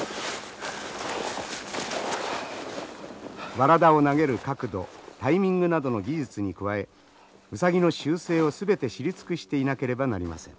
ワラダを投げる角度タイミングなどの技術に加えウサギの習性を全て知り尽くしていなければなりません。